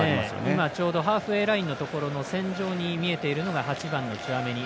今、ちょうどハーフウェーラインのところの線上に見えているのが８番のチュアメニ。